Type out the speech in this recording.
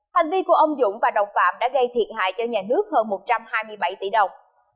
hành vi của ông dũng và đồng phạm đã gây thiệt hại cho nhà nước hơn một trăm hai mươi bảy tỷ đồng